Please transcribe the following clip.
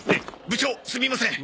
部長すみません。